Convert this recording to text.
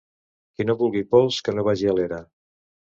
Qui no vulgui pols, que no vagi a l'era.